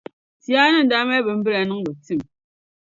Ti yaanim daa mali bimbilla niŋdi tim.